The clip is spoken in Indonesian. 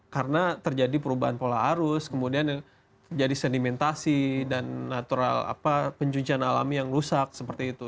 karena terjadi perubahan pola arus kemudian jadi sedimentasi dan natural apa pencucian alami yang rusak seperti itu